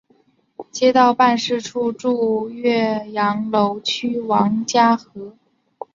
街道办事处驻岳阳楼区王家河。